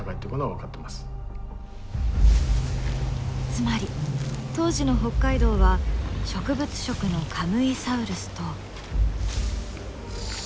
つまり当時の北海道は植物食のカムイサウルスと。